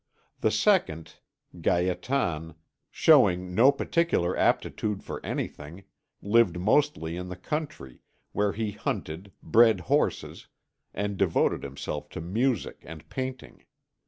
The second, Gaétan, showing no particular aptitude for anything, lived mostly in the country, where he hunted, bred horses, and devoted himself to music and painting.